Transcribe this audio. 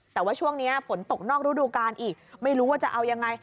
แต่ว่าช่วงนี้ฝนตกนอกรูดูการอีกไม่รู้ว่าจะเอายังไง